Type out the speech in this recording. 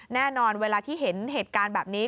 แน่นอนเวลาที่เห็นเหตุการณ์แบบนี้